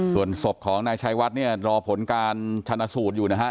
ส่วนศพของนายชัยวัดเนี่ยรอผลการชนะสูตรอยู่นะฮะ